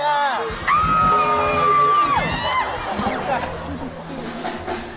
อ้าว